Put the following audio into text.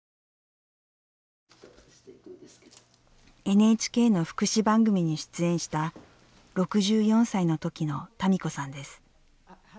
ＮＨＫの福祉番組に出演した６４歳の時の多美子さんです。